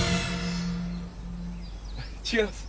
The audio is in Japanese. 違います。